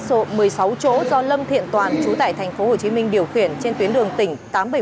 số một mươi sáu chỗ do lâm thiện toàn chú tại tp hcm điều khiển trên tuyến đường tỉnh tám trăm bảy mươi bảy